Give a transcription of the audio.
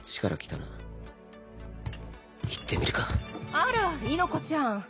あら猪子ちゃん。